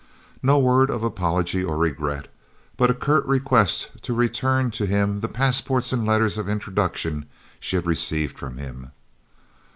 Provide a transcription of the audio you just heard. No word of apology or regret, but a curt request to return to him the passports and letters of introduction she had received from him.